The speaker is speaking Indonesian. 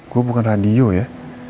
gue bukan radio ya